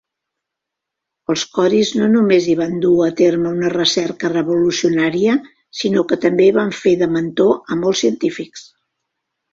Els Coris no només hi van dur a terme una recerca revolucionària, sinó que també van fer de mentor a molts científics.